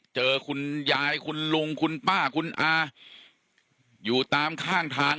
เจอคุณยายคุณลุงคุณป้าคุณอาอยู่ตามข้างทาง